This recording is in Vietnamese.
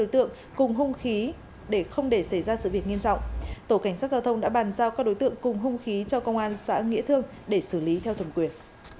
tổ cảnh sát giao thông đã bàn giao các đối tượng cùng hung khí cho công an xã nghĩa thương để xử lý theo thuận quyền